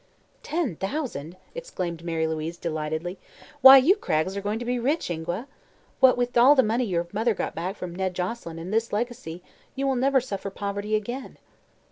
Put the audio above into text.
"Ten thousand!" exclaimed Mary Louise, delightedly, "why, you Craggs are going to be rich, Ingua. What with all the money your mother got back from Ned Joselyn and this legacy, you will never suffer poverty again."